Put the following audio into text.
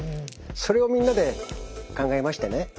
それをみんなで考えましてね